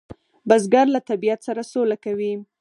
بزګر له طبیعت سره سوله کوي